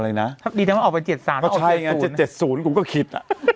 อะไรนะถ้าดีนะมันออกไปเจ็ดสามเจ็ดเจ็ดศูนย์กูก็คิดอ่ะ